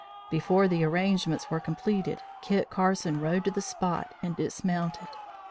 Before the arrangements were completed, Kit Carson rode to the spot and dismounted.